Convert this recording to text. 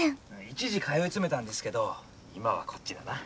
一時通い詰めたんですけど今はこっちだな。